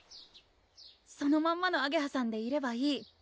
そのまんまのあげはさんでいればいい